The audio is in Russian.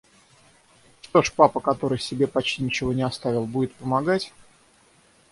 Что ж, папа, который себе почти ничего не оставил, будет помогать?